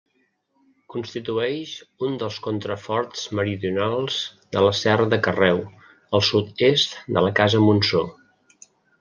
Constitueix un dels contraforts meridionals de la Serra de Carreu, al sud-est de Casa Montsor.